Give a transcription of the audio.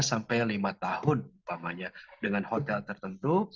tiga sampai lima tahun utamanya dengan hotel tertentu